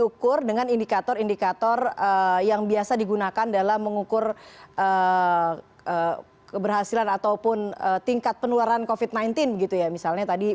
diukur dengan indikator indikator yang biasa digunakan dalam mengukur keberhasilan ataupun tingkat penularan covid sembilan belas gitu ya misalnya tadi